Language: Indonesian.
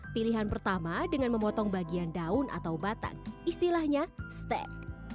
pilihan pertama dengan memotong bagian daun atau batang istilahnya steak